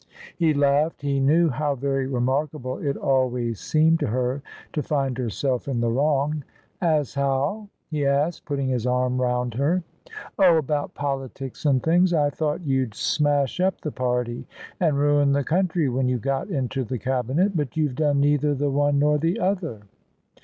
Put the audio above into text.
[ He laughed. He knew how very remarkable it always seemed to her to find herself in the wrong. "As how?" he asked, putting his arm round her. " Oh ! about politics and things. I thought you'd smash up the party and ruin the country when you got into the Cabinet: but you've done neither the one nor the other."